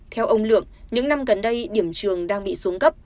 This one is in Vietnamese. theo ông lượng những năm gần đây điểm trường đang bị xuống cấp